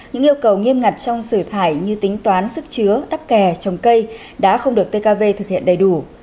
những yêu cầu nghiêm ngặt trong sửa thải như tính toán sức chứa đắp kè trồng cây đã không được tkv thực hiện đầy đủ